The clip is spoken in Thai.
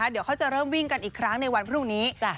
เดี๋ยวเขาจะเริ่มวิ่งกันอีกครั้งในวันพรุ่งนี้